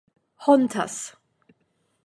hontas